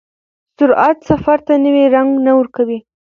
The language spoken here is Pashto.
سرعت سفر ته نوی رنګ نه ورکوي.